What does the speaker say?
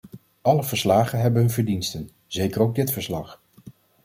Alle verslagen hebben hun verdiensten, zeker ook dit verslag.